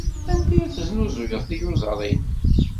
Anda ay tesnuzuyeḍ tiyuzaḍ-nnek?